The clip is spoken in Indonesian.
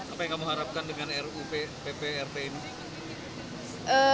apa yang kamu harapkan dengan rup pprp ini